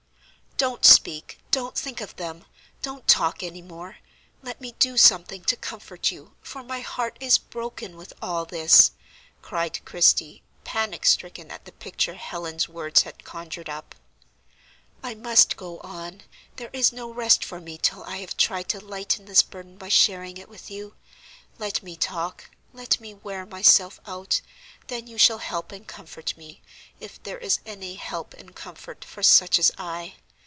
"Don't speak, don't think of them! Don't talk any more; let me do something to comfort you, for my heart is broken with all this," cried Christie, panic stricken at the picture Helen's words had conjured up. "I must go on! There is no rest for me till I have tried to lighten this burden by sharing it with you. Let me talk, let me wear myself out, then you shall help and comfort me, if there is any help and comfort for such as I.